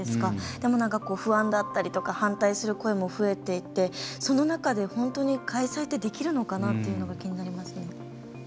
でも、不安だったりとか反対する声も増えていてその中で本当に開催ってできるのかなっていうのが気になりますね。